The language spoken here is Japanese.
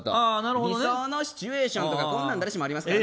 理想のシチュエーションとか誰しもありますから。